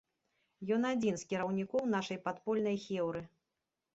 Ён адзін з кіраўнікоў нашай падпольнай хеўры.